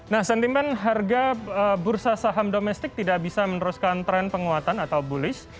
nah sentimen harga bursa saham domestik tidak bisa meneruskan tren penguatan atau bullish